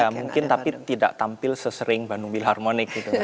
ada mungkin tapi tidak tampil sesering bandung philharmonic